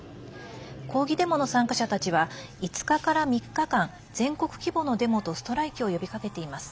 抗議デモの参加者たちは５日から３日間全国規模のデモとストライキを呼びかけています。